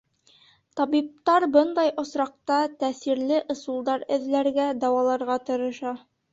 Табиптар бындай осраҡта тәьҫирле ысулдар эҙләргә, дауаларға тырыша.